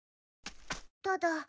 ただ。